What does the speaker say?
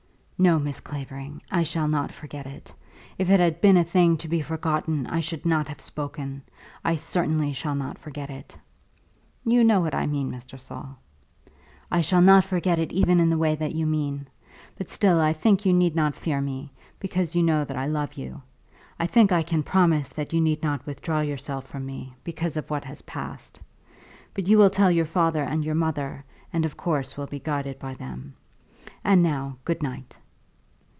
"No, Miss Clavering; I shall not forget it. If it had been a thing to be forgotten, I should not have spoken. I certainly shall not forget it." "You know what I mean, Mr. Saul." "I shall not forget it even in the way that you mean. But still I think you need not fear me, because you know that I love you. I think I can promise that you need not withdraw yourself from me, because of what has passed. But you will tell your father and your mother, and of course will be guided by them. And now, good night."